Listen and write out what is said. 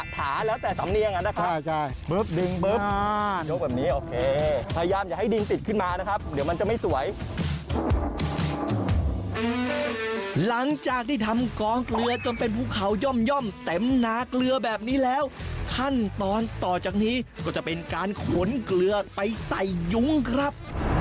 ถาแล้วแต่สำเนียงกันนะครับ